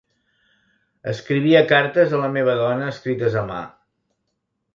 Escrivia cartes a la meva dona escrites a mà.